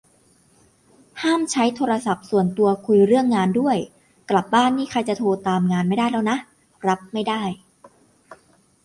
ห้ามใช้โทรศัพท์ส่วนตัวคุยเรื่องงานด้วย กลับบ้านนี่ใครจะโทรตามงานไม่ได้แล้วนะ รับไม่ได้